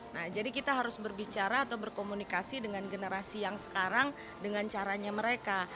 nah jadi kita harus berbicara atau berkomunikasi dengan generasi yang sekarang dengan caranya mereka